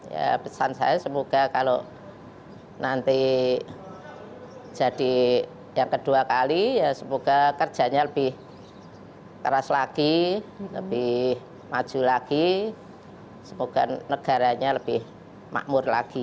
ya pesan saya semoga kalau nanti jadi yang kedua kali ya semoga kerjanya lebih keras lagi lebih maju lagi semoga negaranya lebih makmur lagi